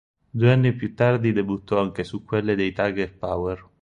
Due anni più tardi debuttò anche su quelle dei Tiger Power.